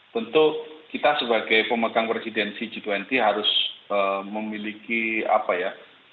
tentu kita sebagai pemegang presidensi g dua puluh harus memiliki apa ya